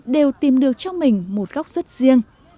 đều tìm được cho mình một góc rất riêng